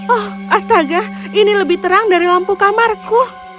oh astaga ini lebih terang dari lampu kamarku